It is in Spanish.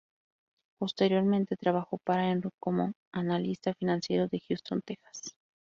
Posteriormente, trabajó para Enron como analista financiero en Houston, Texas.